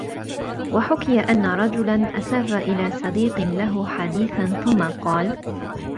وَحُكِيَ أَنَّ رَجُلًا أَسَرَّ إلَى صَدِيقٍ لَهُ حَدِيثًا ثُمَّ قَالَ